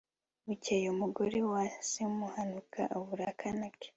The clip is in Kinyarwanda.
bukeye umugore wa semuhanuka abura akana ke